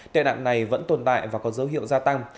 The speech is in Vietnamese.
tệ nạn này vẫn tồn tại và có dấu hiệu gia tăng